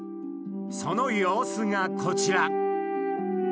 その様子がこちら！